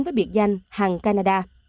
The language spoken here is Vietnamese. với biệt danh hằng canada